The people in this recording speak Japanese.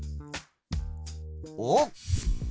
おっ！